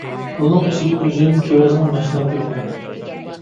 بۇنىڭ ئىچىدە ئۈزۈم، كېۋەزنىڭ مەھسۇلاتى يۇقىرى.